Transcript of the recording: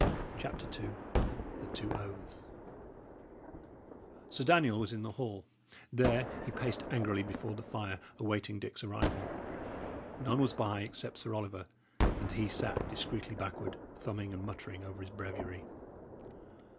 CHAPTER II THE TWO OATHS Sir Daniel was in the hall; there he paced angrily before the fire, awaiting Dick's arrival. None was by except Sir Oliver, and he sat discreetly backward, thumbing and muttering over his breviary.